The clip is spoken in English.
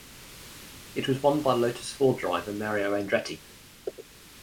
It was won by Lotus-Ford driver Mario Andretti.